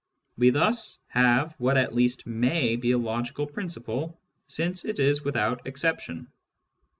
We thus have what at least may be a logical principle, since it is without exception.